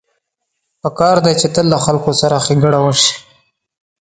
پکار ده چې تل له خلکو سره ښېګڼه وشي